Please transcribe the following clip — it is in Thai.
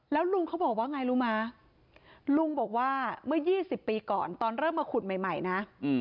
แล้วลุงเขาบอกว่าไงรู้ไหมลุงบอกว่าเมื่อ๒๐ปีก่อนตอนเริ่มมาขุดใหม่นะ